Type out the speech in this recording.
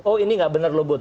oh ini gak bener loh bu